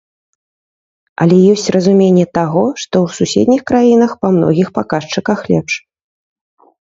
Але ёсць разуменне таго, што ў суседніх краінах па многіх паказчыках лепш.